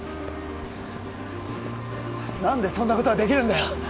何でそんなことができるんだよ